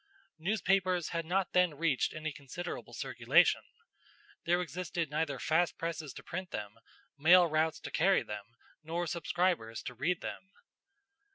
Newspapers had not then reached any considerable circulation. There existed neither fast presses to print them, mail routes to carry them, nor subscribers to read them.